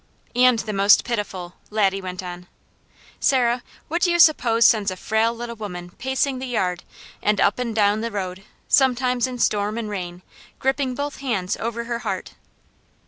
" and the most pitiful," Laddie went on. "Sarah, what do you suppose sends a frail little woman pacing the yard, and up and down the road, sometimes in storm and rain, gripping both hands over her heart?"